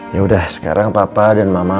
yaudah sekarang papa dan mama